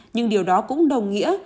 nhưng điều đó cũng đồng nghĩa